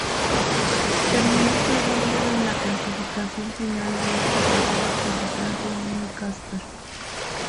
Terminó segundo en la clasificación final de esta carrera, por detrás de Jimmy Casper.